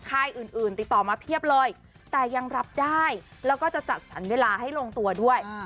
อื่นติดต่อมาเพียบเลยแต่ยังรับได้แล้วก็จะจัดสรรเวลาให้ลงตัวด้วย